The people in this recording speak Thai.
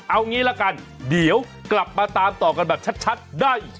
เอางี้ละกันเดี๋ยวกลับมาตามต่อกันแบบชัดได้